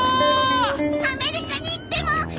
アメリカに行っても元気でね！